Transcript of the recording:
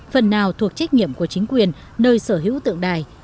phần nào thuộc trách nhiệm của chính quyền nơi sở hữu tượng đài